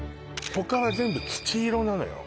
ほかは全部土色なのよ